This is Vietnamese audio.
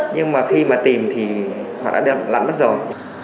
nhưng mà khi mà tìm thì họ đã đem lại mất rồi